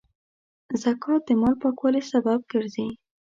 زکات د مال پاکوالي سبب ګرځي.